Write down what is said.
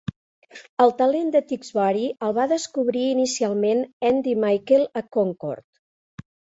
El talent de Tewksbury el va descobrir inicialment Andy Michael a Concord.